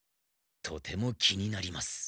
とても気になります。